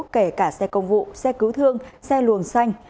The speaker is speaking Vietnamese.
kể cả xe công vụ xe cứu thương xe luồng xanh